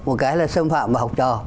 một cái là xâm phạm vào học trò